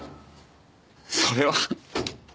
それは。